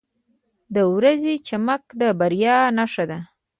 • د ورځې چمک د بریا نښه ده.